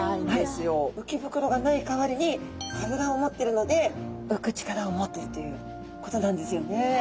鰾がない代わりに脂を持ってるので浮く力を持ってるということなんですよね。